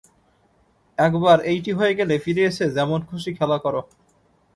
একবার এইটি হয়ে গেলে ফিরে এসে যেমন খুশী খেলা কর।